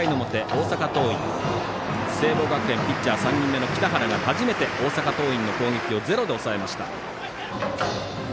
大阪桐蔭、聖望学園のピッチャー３人目の北原が初めて大阪桐蔭の攻撃をゼロで抑えました。